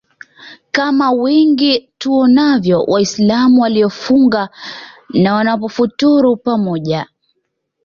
kama wengi tuonavyo waislamu waliofunga na wanapofuturu pamoja